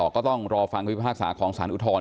ก็ต้องรอฟังความภาคษาของศาลอุทรรณ์